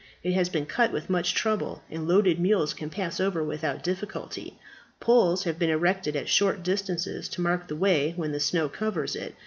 It has been cut with much trouble, and loaded mules can pass over without difficulty. Poles have been erected at short distances to mark the way when the snow covers it.